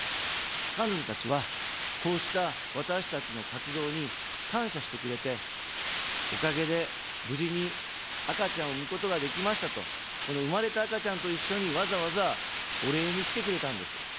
彼女たちは、こうした私たちの活動に感謝してくれて、おかげで無事に赤ちゃんを産むことができましたと、この生まれた赤ちゃんと一緒に、わざわざ、お礼に来てくれたんです。